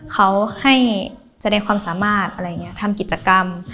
เขาให้แสดงความสามารถทำกิจกรรม